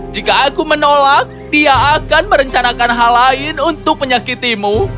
jika aku menolak dia akan merencanakan hal lain untuk menyakitimu